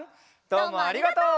どうもありがとう！